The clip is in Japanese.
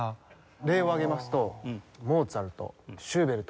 例を挙げますと。